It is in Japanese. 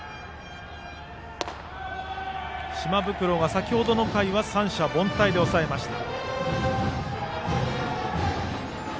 島袋は先程の回三者凡退で抑えました。